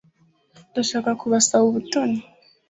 Ndashaka kubasaba ubutoni